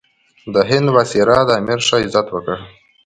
د هند وایسرا د امیر ښه عزت وکړ.